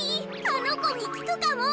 あのこにきくかも。